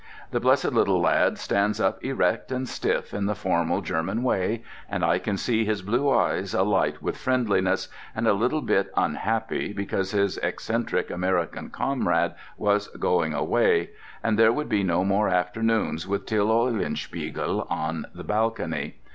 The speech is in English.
The blessed little lad stands up erect and stiff in the formal German way, and I can see his blue eyes alight with friendliness, and a little bit unhappy because his eccentric American comrade was gomg away and there would be no more afternoons with Till Eulenspiegel on the balcony.